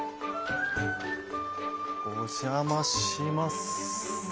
お邪魔します。